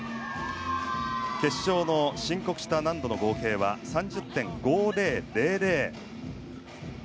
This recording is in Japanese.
決勝の申告した難度の合計は３０．５０００。